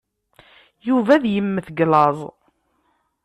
Yuba ad yemmet deg llaẓ.